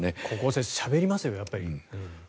高校生しゃべりますよやっぱり。